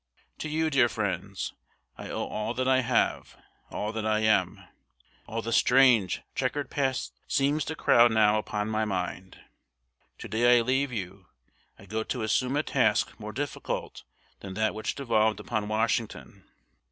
To you, dear friends, I owe all that I have, all that I am. All the strange, checkered past seems to crowd now upon my mind. To day I leave you. I go to assume a task more difficult than that which devolved upon Washington.